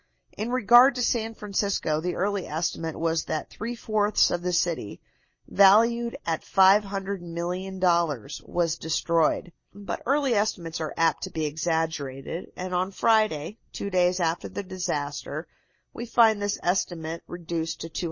In regard to San Francisco, the early estimate was that three fourths of the city, valued at $500,000,000, was destroyed. But early estimates are apt to be exaggerated, and on Friday, two days after the disaster, we find this estimate reduced to $250,000,000.